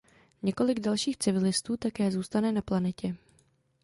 Několik dalších civilistů také zůstane na planetě.